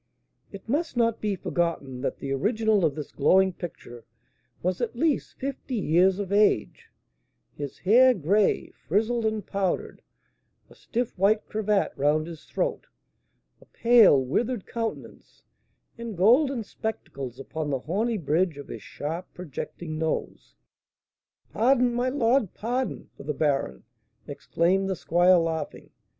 It must not be forgotten that the original of this glowing picture was at least fifty years of age; his hair gray, frizzled and powdered; a stiff white cravat round his throat; a pale, withered countenance; and golden spectacles upon the horny bridge of his sharp, projecting nose. "Pardon, my lord! pardon, for the baron," exclaimed the squire, laughing.